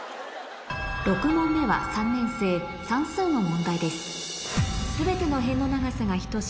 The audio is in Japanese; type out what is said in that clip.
６問目は３年生算数の問題です